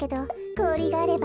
こおりがあれば。